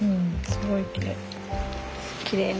すごいきれい。